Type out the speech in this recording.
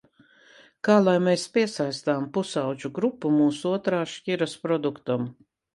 Kā lai mēs piesaistām pusaudžu grupu mūsu otrās šķiras produktam?